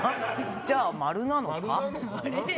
じゃあ、○なのか？